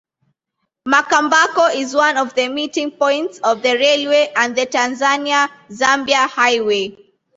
Makambako is one of the meeting points of the railway and the Tanzania-Zambia Highway.